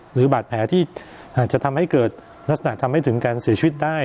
หรือบาดแผลที่อาจจะทำให้เกิดลักษณะทำให้ถึงการเสียชีวิตได้